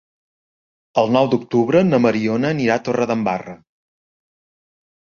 El nou d'octubre na Mariona anirà a Torredembarra.